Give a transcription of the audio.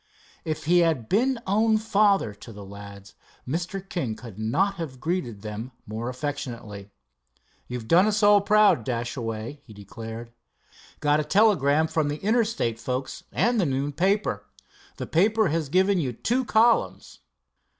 If he had been own father to the lads, Mr. King could not have greeted them more affectionately. "You've done us all proud, Dashaway," he declared. "Got a telegram from the Interstate folks, and the noon paper. The paper has given you two columns.